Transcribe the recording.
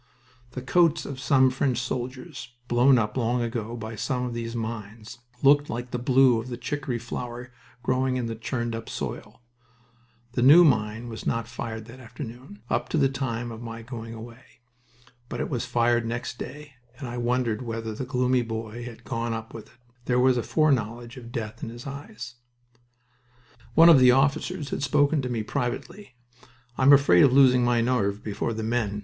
The coats of some French soldiers, blown up long ago by some of these mines, looked like the blue of the chicory flower growing in the churned up soil... The new mine was not fired that afternoon, up to the time of my going away. But it was fired next day, and I wondered whether the gloomy boy had gone up with it. There was a foreknowledge of death in his eyes. One of the officers had spoken to me privately. "I'm afraid of losing my nerve before the men.